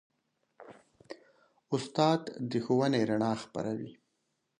استاد د ښوونې رڼا خپروي.